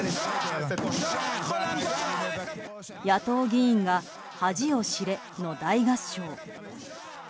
野党議員が恥を知れ！の大合唱。